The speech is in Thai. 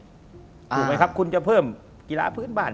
ถูกไหมครับคุณจะเพิ่มกีฬาพื้นบ้าน